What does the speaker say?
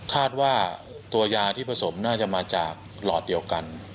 คาดว่าตัวยาที่ผสมน่าจะมาจากหลอดเดียวกัน